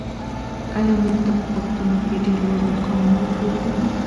آیا مور ته په پښتنو کې ډیر لوړ مقام نه ورکول کیږي؟